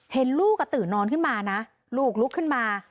เห็นลูกตื่นนอนขึ้นมานะลูกลุกขึ้นมา